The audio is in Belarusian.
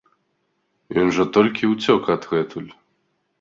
Ён жа толькі ўцёк адгэтуль!